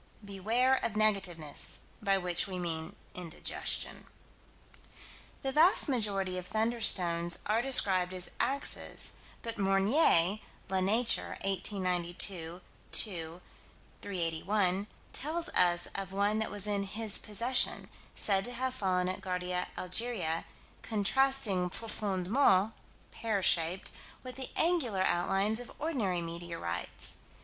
Beware of negativeness, by which we mean indigestion. The vast majority of "thunderstones" are described as "axes," but Meunier (La Nature, 1892 2 381) tells of one that was in his possession; said to have fallen at Ghardia, Algeria, contrasting "profoundment" (pear shaped) with the angular outlines of ordinary meteorites.